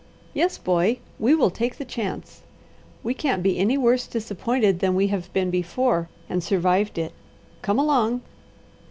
Yes, boy, we will take the chance! We can't be any worse disappointed than we have been before and survived it. Come along!"